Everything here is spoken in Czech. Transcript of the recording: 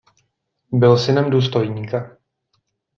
Byl synem důstojníka.